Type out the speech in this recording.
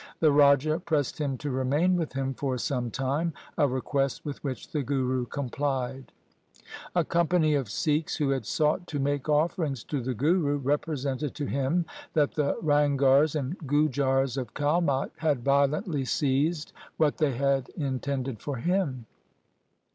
The raja pressed him to remain with him for some time, a request with which the Guru com plied. A company of Sikhs who had sought to make offerings to the Guru represented to him that the Ranghars and Gujars of Kalmot had violently seized 142 THE SIKH RELIGION what they had intended for him.